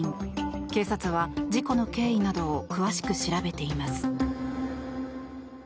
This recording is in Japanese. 警察は、事故の経緯などを詳しく調べています。